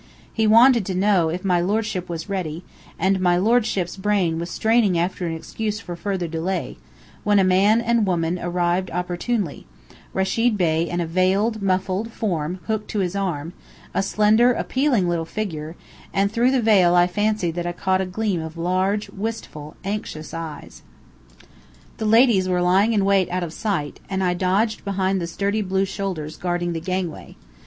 He wanted to know if my lordship was ready; and my lordship's brain was straining after an excuse for further delay, when a man and woman arrived opportunely; Rechid Bey and a veiled, muffled form hooked to his arm; a slender, appealing little figure: and through the veil I fancied that I caught a gleam of large, wistful, anxious eyes. The ladies were lying in wait out of sight, and I dodged behind the sturdy blue shoulders guarding the gangway.